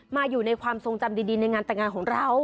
อยู่ในความทรงจำดีในงานแต่งงานของเรา